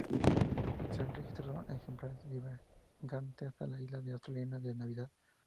Se han registrado ejemplares divagantes hasta la isla australiana de Navidad.